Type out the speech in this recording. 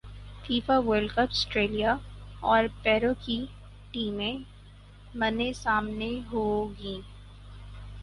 FIFA world cup سٹریلیا اور پیرو کی ٹیمیں منے سامنے ہوں گی